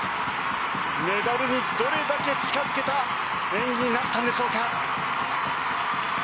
メダルにどれだけ近付けた演技になったんでしょうか。